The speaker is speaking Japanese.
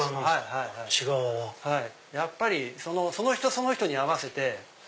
やっぱりその人その人に合わせて。